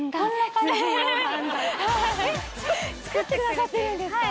作ってくださってるんですか？